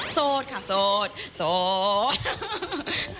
โสดค่ะโสด